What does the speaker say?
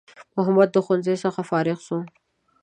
محمد د ښوونځی څخه فارغ سو